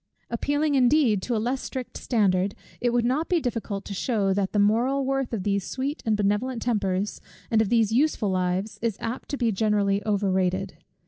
Appealing indeed to a less strict standard, it would not be difficult to shew that the moral worth of these sweet and benevolent tempers, and of these useful lives, is apt to be greatly over rated.